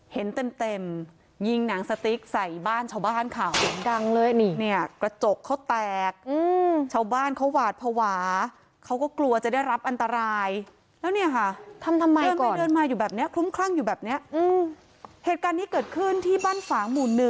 เห็นเต็มยิงหนังสติ๊กใส่บ้านชาวบ้านค่ะเสียงดังเลยนี่เนี่ยกระจกเขาแตกชาวบ้านเขาหวาดภาวะเขาก็กลัวจะได้รับอันตรายแล้วเนี่ยค่ะทำทำไมเดินไปเดินมาอยู่แบบเนี้ยคลุ้มคลั่งอยู่แบบเนี้ยอืมเหตุการณ์นี้เกิดขึ้นที่บ้านฝางหมู่๑